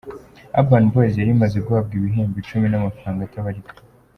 Urban Boyz yari imaze guhabwa ibihembo icumi n’amafaranga atabarika.